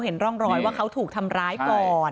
เห็นร่องรอยว่าเขาถูกทำร้ายก่อน